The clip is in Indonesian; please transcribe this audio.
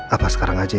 apa sekarang aja